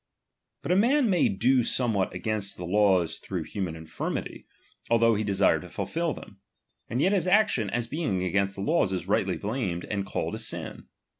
But a man may do somewhat against the' la.ws through human infirmity, although he desire i to fulfil them ; and yet his action, as being against ' tXie laws, is rightly blamed, and called a sin.